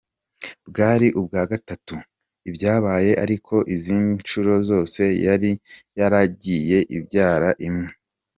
Bwari ubwa gatatu ibyaye ariko izindi nshuro zose yari yaragiye ibyara imwe.